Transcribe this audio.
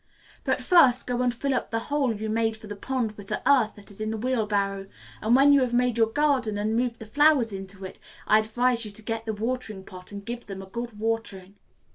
But first go and fill up the hole you made for the pond with the earth that is in the wheelbarrow; and when you have made your garden and moved the flowers into it, I advise you to get the watering pot and give them a good watering."